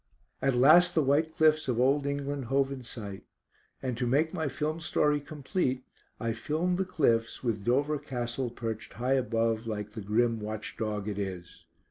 At last the white cliffs of old England hove in sight, and to make my film story complete I filmed the cliffs, with Dover Castle perched high above like the grim watch dog it is.